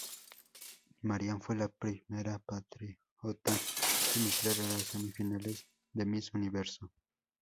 Marian fue la primera compatriota en entrar a las semifinales de Miss Universo.